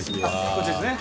こっちですね。